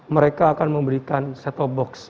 mereka akan memberikan set top box